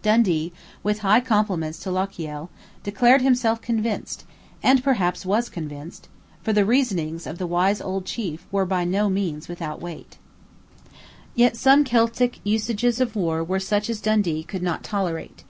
Dundee, with high compliments to Lochiel, declared himself convinced, and perhaps was convinced: for the reasonings of the wise old chief were by no means without weight, Yet some Celtic usages of war were such as Dundee could not tolerate.